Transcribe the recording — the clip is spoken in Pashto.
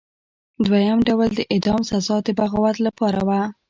دویم ډول د اعدام سزا د بغاوت لپاره وه.